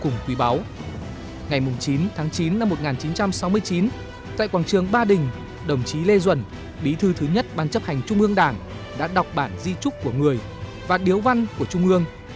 ngày chín tháng chín năm một nghìn chín trăm sáu mươi chín tại quảng trường ba đình đồng chí lê duẩn bí thư thứ nhất ban chấp hành trung ương đảng đã đọc bản di trúc của người và điếu văn của trung ương